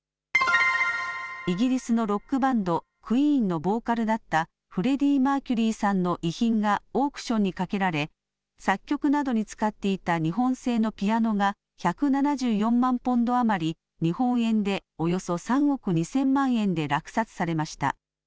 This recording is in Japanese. イギリスのロックバンド、クイーンのボーカルだったフレディ・マーキュリーさんの遺品がオークションにかけられ、作曲などに使っていた日本製のピアノが１７４万ポンド余り、日本円でおよそ３億２０００万円で落札されました。